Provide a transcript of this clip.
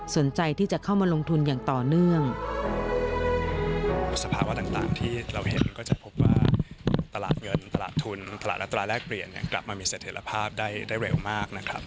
ตลาดทุนตลาดและตลาดแลกเปลี่ยนกลับมามีเศรษฐธิภาพได้เร็วมาก